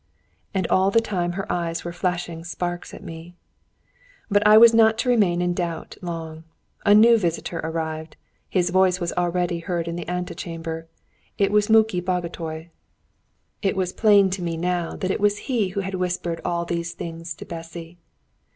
And all the time her eyes were flashing sparks at me! But I was not to remain in doubt long. A new visitor arrived, his voice was already heard in the ante chamber. It was Muki Bagotay. It was plain to me now that it was he who had whispered all these things to Bessy.